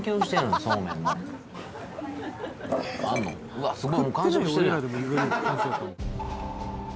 うわすごい！